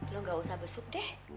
lo gak usah besuk deh